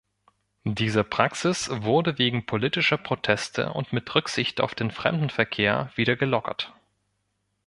Diese Praxis wurde wegen politischer Proteste und mit Rücksicht auf den Fremdenverkehr wieder gelockert.